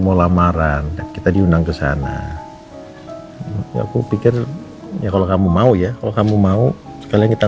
mau lamaran kita diundang ke sana ya aku pikir ya kalau kamu mau ya kalau kamu mau sekalian kita